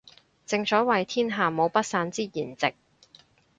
正所謂天下無不散之筵席